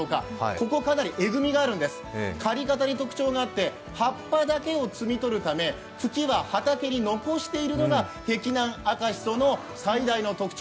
ここかなりえぐみがあるんです、刈り方に特徴があって葉っぱだけを摘み取るため茎は畑に残しているのが碧南赤しその最大の特徴。